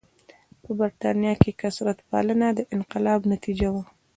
په برېټانیا کې کثرت پالنه د انقلاب نتیجه وه.